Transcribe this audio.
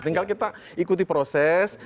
tinggal kita ikuti proses